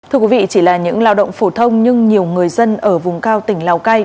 thưa quý vị chỉ là những lao động phổ thông nhưng nhiều người dân ở vùng cao tỉnh lào cai